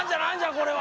これは。